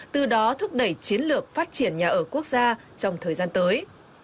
từ đó thúc đẩy chiến lược phát triển nhà ở quốc gia trong thời gian tới